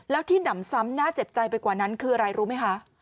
แล้วที่หนำซ้ำน่าเจ็บใจไปกว่านั้นคืออะไรรู้ไหมคะ